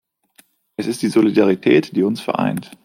Es ist die Solidarität, die uns vereint.